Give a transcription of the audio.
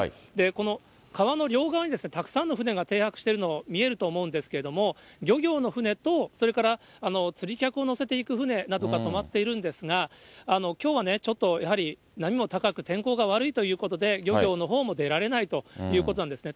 この川の両側にたくさんの船が停泊しているのが見えると思うんですけれども、漁業の船と、それから釣り客を乗せていく船などが泊まっているんですが、きょうはね、ちょっとやはり波も高く、天候が悪いということで、漁業の方も出られないということなんですね。